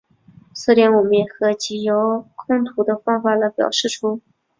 此点我们也可藉由时空图的方法来表现出。